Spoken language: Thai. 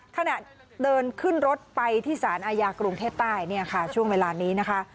ขณะเดินขึ้นรถไปที่สารอาญากรุงเทพใต้เนี่ยค่ะช่วงเวลานี้นะคะ